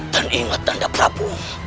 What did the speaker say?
dan ingat nanda prabu